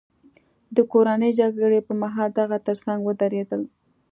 د کورنۍ جګړې پرمهال د هغه ترڅنګ ودرېدل.